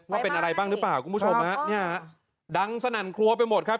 ว่าเป็นอะไรบ้างหรือเปล่าคุณผู้ชมฮะเนี่ยดังสนั่นครัวไปหมดครับ